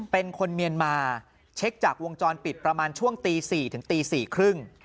เป็นคนเมียนมาเช็คจากวงจรปิดประมาณช่วงตี๔ถึงตีสี่ครึ่ง